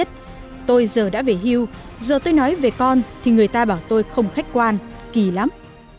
tôi giờ đã về hưu giờ tôi nói về con thì người ta bảo tôi không khách quan kỳ lắm